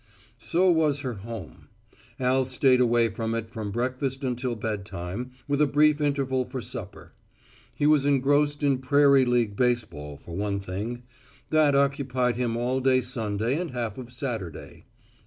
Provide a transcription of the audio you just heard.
So was her home. Al stayed away from it from breakfast unto bedtime, with a brief interval for supper. He was engrossed in prairie league baseball for one thing. That occupied him all day Sunday and half of Saturday.